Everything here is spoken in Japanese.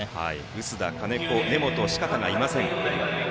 薄田、金子、根本がいません。